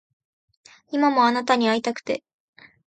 今もあなたに逢いたくて